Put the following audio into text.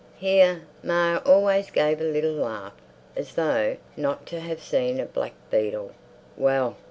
Here Ma always gave a little laugh, as though—not to have seen a black beedle! Well!